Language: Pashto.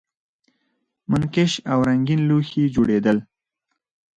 منقش او رنګین لوښي جوړیدل